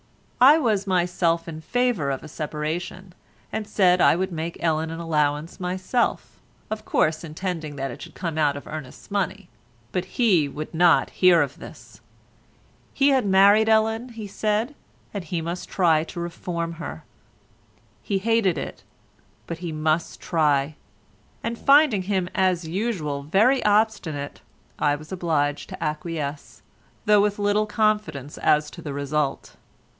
I was myself in favour of a separation, and said I would make Ellen an allowance myself—of course intending that it should come out of Ernest's money; but he would not hear of this. He had married Ellen, he said, and he must try to reform her. He hated it, but he must try; and finding him as usual very obstinate I was obliged to acquiesce, though with little confidence as to the result.